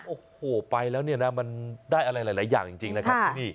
โอ้โหไปแล้วเนี่ยนะมันได้อะไรหลายอย่างจริงนะครับที่นี่